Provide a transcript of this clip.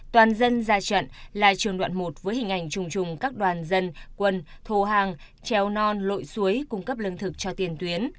toàn dân ra trận là trường đoạn một với hình ảnh trùng trùng các đoàn dân quân thù hàng trèo non lội suối cung cấp lương thực cho tiền tuyến